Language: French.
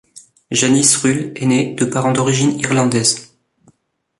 Janice Rule est née de parents d'origine irlandaise.